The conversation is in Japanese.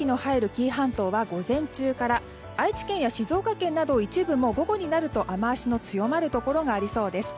紀伊半島は午前中から愛知県、静岡県などでも午後になると雨脚の強まるところがありそうです。